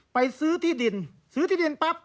ไปซื้อที่ดินซื้อที่ดินปั๊บ